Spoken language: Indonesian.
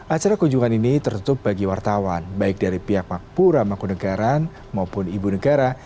acara kunjungan ini tertutup bagi wartawan baik dari pihak makura mangkunegaran maupun ibu negara